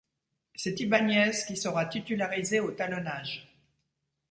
C'est Ibañez qui sera titularisé au talonnage.